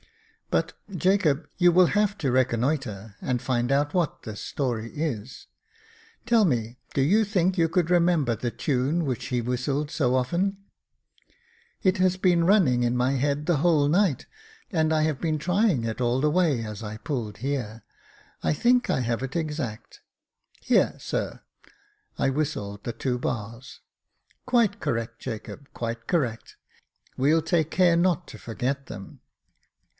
But, Jacob, you will have to reconnoitre, and find out what this story is. Tell me, do you think you could remember the tune which he whistled so often ?"" It has been running in my head the whole night, and I have been trying it all the way as I pulled here. I think I have it exact. Hear, sir," — I whistled the two bars. " Quite correct, Jacob, quite correct ; well take care not to forget them.